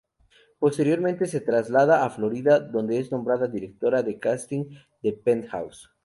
Posteriormente se traslada a Florida donde es nombrada directora de casting de Penthouse.